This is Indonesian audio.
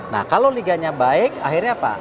nah kalau liganya baik akhirnya apa